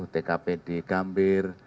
tkp di gambir